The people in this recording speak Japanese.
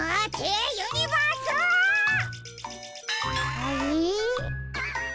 あれ？